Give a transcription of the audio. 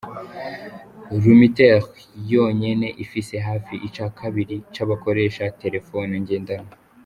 Lumitel yonyene ifise hafi ica kabiri c'abakoresha terefone ngendanwa.